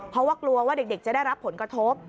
เพราะว่ากลัวว่าเด็กจะได้รับผลกระทบ